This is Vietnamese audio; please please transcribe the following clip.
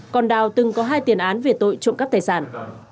còn đào từng có hai tiền án về tội trộm cắp tài sản